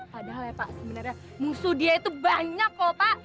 padahal ya pak sebenarnya musuh dia itu banyak loh pak